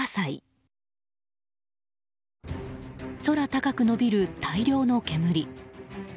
空高く延びる大量の煙。